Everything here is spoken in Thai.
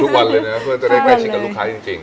ทุกวันเลยนะเพื่อจะได้ใกล้ชิดกับลูกค้าจริง